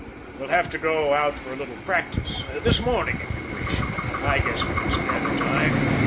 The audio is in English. "We'll have to go out for a little practice this morning if you wish. I guess we can spare the time.